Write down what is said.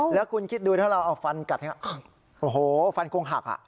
แล้วคุณคิดดูถ้าเราเอาฟันกัดโอ้โหฟันคงหักอ่ะ